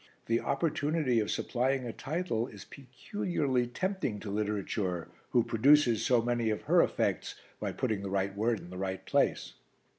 The opportunity of supplying a title is peculiarly tempting to literature who produces so many of her effects by putting the right word in the right place."